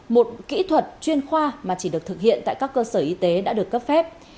một kỹ thuật chuyên khoa mà chỉ được thực hiện tại các cơ sở y tế đã được cấp phép